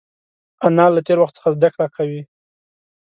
انا له تېر وخت څخه زده کړه کوي